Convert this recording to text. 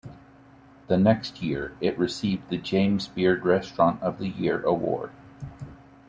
The next year it received the James Beard Restaurant of the Year Award.